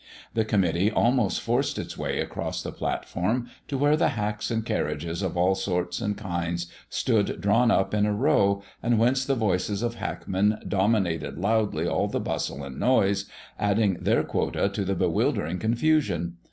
The committee almost forced its way across the platform to where the hacks and carriages of all sorts and kinds stood drawn up in a row, and whence the voices of hackmen dominated loudly all the bustle and noise, adding their quota to the bewildering confusion.